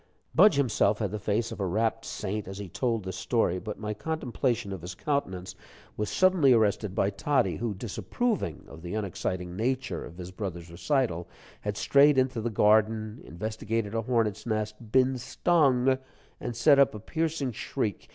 Budge himself had the face of a rapt saint as he told this story, but my contemplation of his countenance was suddenly arrested by Toddie, who, disapproving of the unexciting nature of his brother's recital, had strayed into the garden, investigated a hornet's nest, been stung, and set up a piercing shriek.